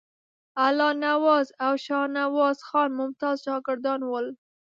الله نواز او شاهنواز خان ممتاز شاګردان ول.